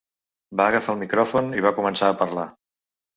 Va agafar el micròfon i va començar a parlar.